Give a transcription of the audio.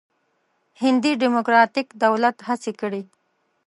هندي ډموکراتیک دولت هڅې کړې.